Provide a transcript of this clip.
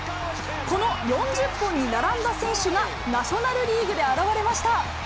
この４０本に並んだ選手が、ナショナルリーグで現れました。